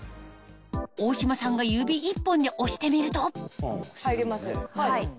大島さんが指１本で押してみると入ります。